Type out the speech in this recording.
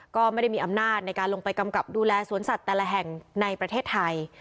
ก็ไม่ได้มีอำนาจในการลงไปกำกับดูแลสวนสัตว์แต่ละแห่งในประเทศไทย